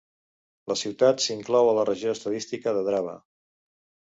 La ciutat s'inclou a la Regió Estadística de Drava.